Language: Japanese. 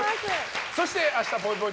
そして、明日のぽいぽい